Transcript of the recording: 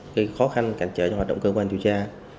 gây khó khăn cản trở cho hoạt động cơ quan điều tra